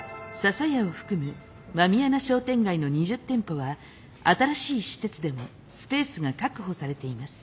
笹屋を含む狸穴商店街の２０店舗は新しい施設でもスペースが確保されています。